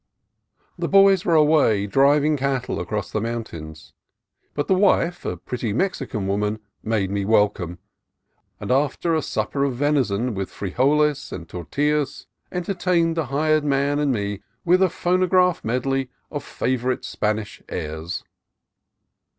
The "boys" were away driving cattle across the mountains, but the wife, a pretty Mexican woman, made me welcome, and after a supper of venison with frijoles and tortillas, entertained the hired man and me with a phonograph medley of favorite Span ish airs.